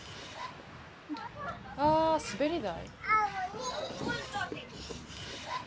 ああ、滑り台。